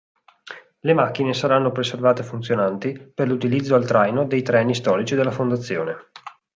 Le macchine saranno preservate funzionanti per l'utilizzo al traino dei treni storici della Fondazione..